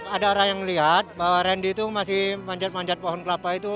ada orang yang melihat bahwa randy itu masih manjat manjat pohon kelapa itu